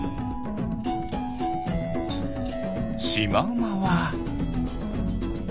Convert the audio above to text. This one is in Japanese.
シマウマは。